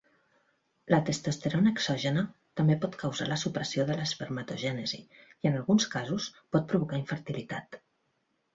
La testosterona exògena també pot causar la supressió de l'espermatogènesi, i en alguns casos pot provocar infertilitat.